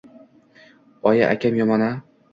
Oyi, akam yomon-a?